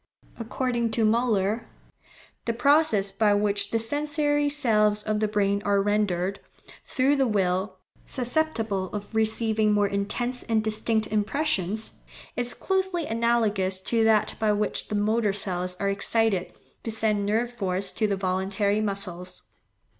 According to Müller, the process by which the sensory cells of the brain are rendered, through the will, susceptible of receiving more intense and distinct impressions, is closely analogous to that by which the motor cells are excited to send nerve force to the voluntary muscles.